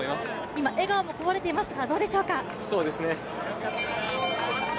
今、笑顔もこぼれていますがどうでしょうか？